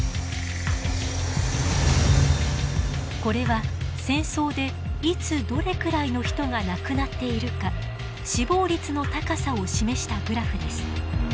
これは戦争でいつどれくらいの人が亡くなっているか死亡率の高さを示したグラフです。